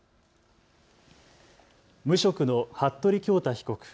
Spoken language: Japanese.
無職の服部恭太被告。